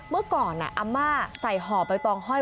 เมื่อก่อนอาม่าใส่ห่อใบตองห้อย